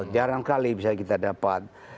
jarang sekali bisa kita dapat